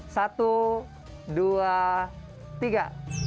satu dua tiga